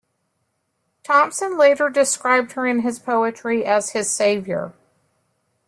Thompson later described her in his poetry as his saviour.